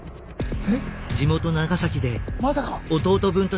えっ⁉